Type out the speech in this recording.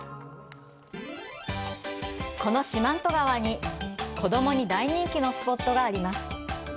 この四万十に子供に大人気のスポットがあります。